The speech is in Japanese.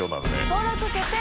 登録決定！